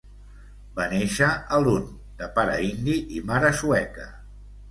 Va néixer a Lund de pare indi i mare sueca.